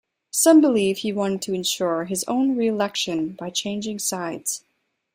Some believe he wanted to ensure his own re-election by changing sides.